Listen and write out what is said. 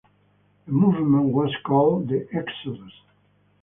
The movement was called the "Exodus".